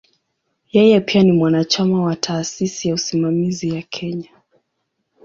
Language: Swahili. Yeye pia ni mwanachama wa "Taasisi ya Usimamizi ya Kenya".